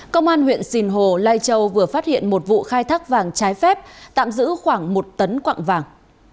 công an huyện sinh hồ lai châu vừa phát hiện một vụ khai thác vàng trái phép tạm giữ khoảng một tấn quạng vàng